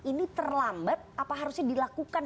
ini terlambat apa harusnya dilakukan